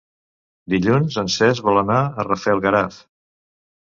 Dilluns en Cesc vol anar a Rafelguaraf.